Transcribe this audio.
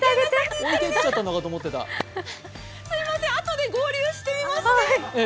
すみません、あとで合流しますね。